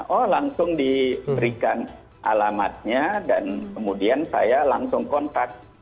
oh langsung diberikan alamatnya dan kemudian saya langsung kontak